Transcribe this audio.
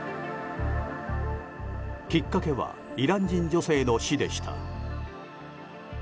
きっかけはイラン人女性の死でした。